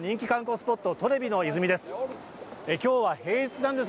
スポットトレビの泉です